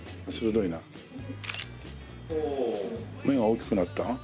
目が大きくなった？